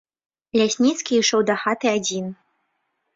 Лясніцкі ішоў дахаты адзін.